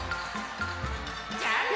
じゃあね！